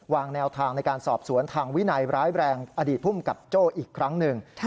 วางแนวทางในการสอบสวนทางวินัยร้ายแรงอดีตภูมิกับโจ้อีกครั้งหนึ่ง